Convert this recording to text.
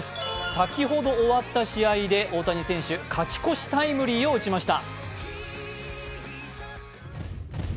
先ほど終わった試合で大谷選手、勝ち越しタイムリーを打ちました。